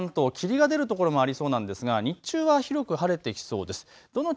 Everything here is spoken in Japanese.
いちばん上、あす朝は関東、霧が出る所もありそうなんですが日中は広く晴れてきそうです。